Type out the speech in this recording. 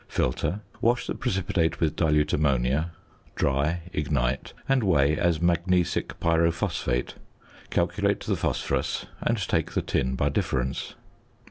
Filter; wash the precipitate with dilute ammonia; dry, ignite, and weigh as magnesic pyrophosphate. Calculate the phosphorus, and take the tin by difference.